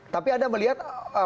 tapi anda melihat